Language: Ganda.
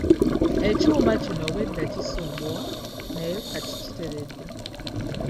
Ekyuma kino obwedda kinsumbuwa naye kati kiteredde.